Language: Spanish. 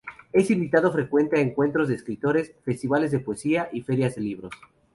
Es invitado frecuente a encuentros de escritores, festivales de poesía y ferias de libros.